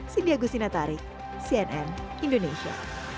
sindia gusinatarik cnn indonesia